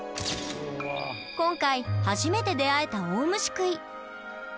今回初めて出会えたオオムシクイ。